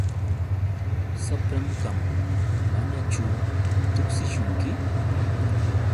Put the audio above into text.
Shapran kan. ¿Manachu tuksishunki?